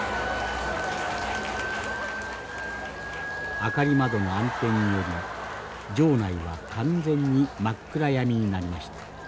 明り窓の暗転により場内は完全に真っ暗闇になりました。